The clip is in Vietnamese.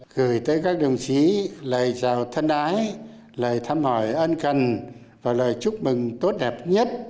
gửi tới các đồng chí lời chào thân ái lời thăm hỏi ân cần và lời chúc mừng tốt đẹp nhất